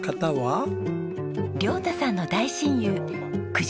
亮太さんの大親友九条